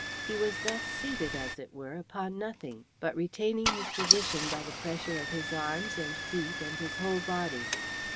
He was thus seated as it were upon nothing, but retaining his position by the pressure of his arms and feet and his whole body.